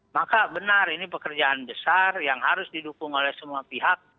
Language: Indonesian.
maka benar ini pekerjaan besar yang harus didukung oleh semua pihak